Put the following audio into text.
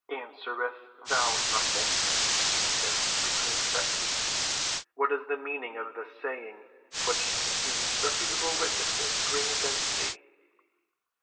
"Answerest thou nothing?" he hissed between set teeth. "What is the meaning of this saying which these reputable witnesses bring against thee?"